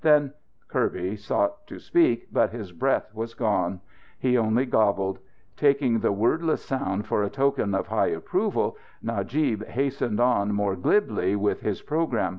Then " Kirby sought to speak. But his breath was gone. He only gobbled. Taking the wordless sound for a token of high approval, Najib hastened on, more glibly, with his program.